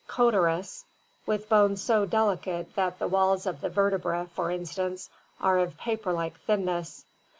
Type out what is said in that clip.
Codurus, with bones so delicate that the walls of the vertebrae, for instance, are of paper like thinness.